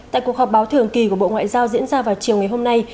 tại cuộc họp báo thường kỳ của bộ ngoại giao diễn ra vào chiều ngày hôm nay